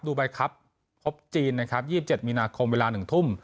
ดูใบครับพบจีนนะครับยี่สิบเจ็ดมีนาคมเวลาหนึ่งทุ่ม